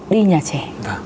đi nhà trẻ